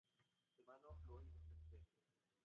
Su hermano, Louis St.